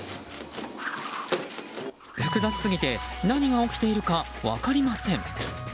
複雑すぎて何が起きているか分かりません。